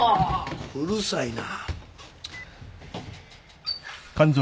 うるさいな。